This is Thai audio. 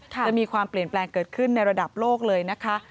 จะมีความเปลี่ยนแปลงเกิดขึ้นในระดับโลกเลยนะคะ